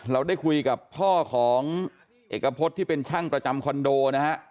เราได้คุยกับพ่อของเอกพฤษที่เป็นช่างประจำคอนโดนะฮะ